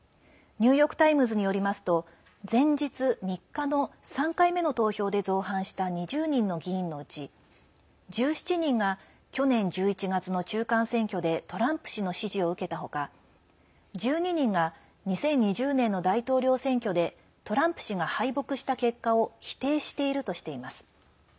ニューヨーク・タイムズによりますと、前日３日の３回目の投票で造反した２０人の議員のうち１７人が去年１１月の中間選挙でトランプ氏の支持を受けた他１２人が２０２０年の大統領選挙でトランプ氏が敗北した結果を否定しているとしています。